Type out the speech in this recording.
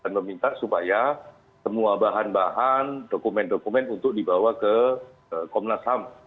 dan meminta supaya semua bahan bahan dokumen dokumen untuk dibawa ke komnas ham